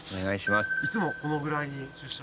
いつもこのぐらいに出社。